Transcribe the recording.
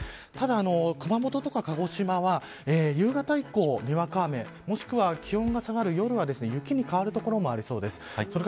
ただ、熊本や鹿児島は夕方以降、にわか雨もしくは、気温が下がる夜は雪に変わる所もありそうです。